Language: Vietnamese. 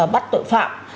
bắt tội phạm